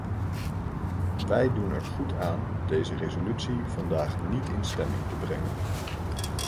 Wij doen er goed aan deze resolutie vandaag niet in stemming te brengen.